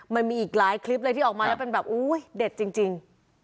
มันมีอีกหลายคลิปเลยที่ออกมาแล้วเป็นแบบอุ๊ยเด็ดจริง